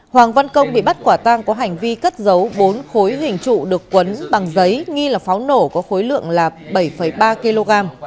hoàng văn công bị bắt quả tang có hành vi cất giấu bốn khối hình trụ được quấn bằng giấy nghi là pháo nổ có khối lượng là bảy ba kg